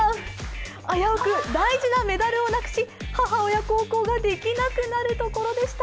危うく大事なメダルをなくし母親孝行ができなくなるところでした